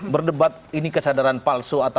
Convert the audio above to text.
berdebat ini kesadaran palsu